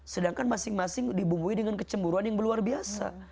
sedangkan masing masing dibumbui dengan kecemburuan yang luar biasa